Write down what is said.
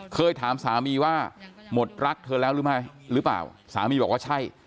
เคยถามสามีว่าหมดรักเธอแล้วหรือไม่หรือเปล่าสามีบอกว่าใช่